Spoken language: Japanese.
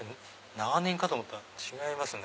長ネギかと思ったら違いますね。